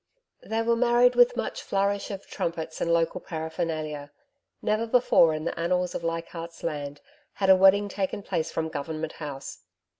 They were married with much flourish of trumpets and local paraphernalia. Never before in the annals of Leichardt's Land had a wedding taken place from Government House.